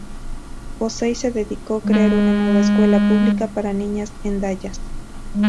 Posey se decidió crear una nueva escuela pública para niñas en Dallas.